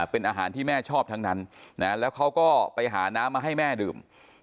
เป็นอาหารที่แม่ชอบทั้งนั้นแล้วเขาก็ไปหาน้ำมาให้แม่ดื่ม